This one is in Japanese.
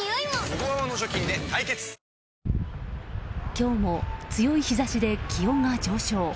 今日も強い日差しで気温が上昇。